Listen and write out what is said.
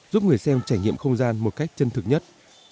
giúp người xem trải nghiệm không gian một cách chân thực nhất